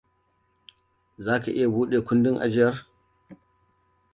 Za ka iya buɗe kundin ajiyar?